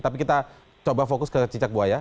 tapi kita coba fokus ke cicak buaya